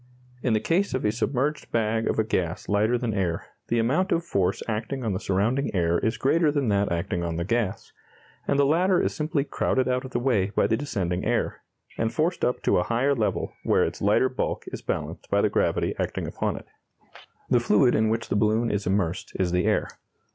In the case of a submerged bag of a gas lighter than air, the amount of force acting on the surrounding air is greater than that acting on the gas, and the latter is simply crowded out of the way by the descending air, and forced up to a higher level where its lighter bulk is balanced by the gravity acting upon it. The fluid in which the balloon is immersed is the air.